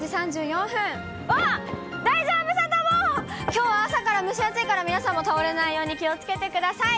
きょうは朝から蒸し暑いから、皆さんも倒れないように気をつけてください。